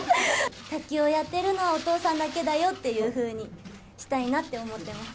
卓球をやってるのは、お父さんだけだよというふうにしたいなって思ってます。